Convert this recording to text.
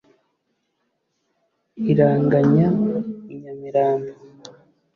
iranganya i nyamirambo,